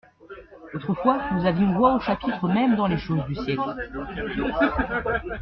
Autrefois nous avions voix au chapitre même dans les choses du siècle.